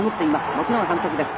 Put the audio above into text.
もちろん反則です。